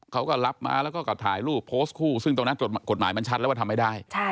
เขาก็รับมาแล้วก็ถ่ายรูปโพสต์คู่ซึ่งตรงนั้นกฎหมายมันชัดแล้วว่าทำไม่ได้